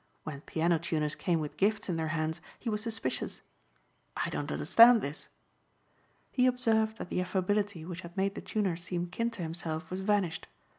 When piano tuners came with gifts in their hands he was suspicious. "I don't understand this." He observed that the affability which had made the tuner seem kin to himself was vanished.